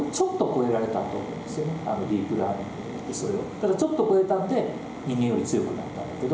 ただちょっと超えたんで人間より強くなったんだけど。